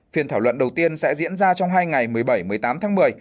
phiên thảo luận đầu tiên sẽ diễn ra trong hai ngày một mươi bảy một mươi tám tháng một mươi